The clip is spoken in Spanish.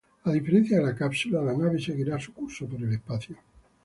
A diferencia de la cápsula, la nave seguirá su curso por el espacio.